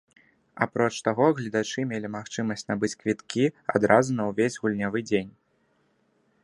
Апроч таго гледачы мелі магчымасць набыць квіткі адразу на ўвесь гульнявы дзень.